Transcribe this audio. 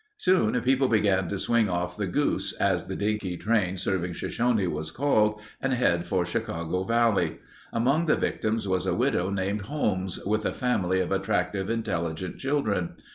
Soon people began to swing off The Goose, as the dinky train serving Shoshone was called, and head for Chicago Valley. Among the victims was a widow named Holmes with a family of attractive, intelligent children.